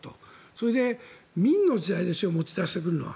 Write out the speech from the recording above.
それで明の時代ですよ持ち出してくるのは。